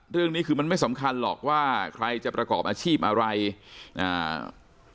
เรื่องนี้คือมันไม่สำคัญหรอกว่าใครจะประกอบอาชีพอะไรอ่า